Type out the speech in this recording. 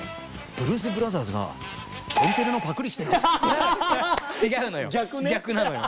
「ブルース・ブラザース」が「天てれ」のパクリしてる？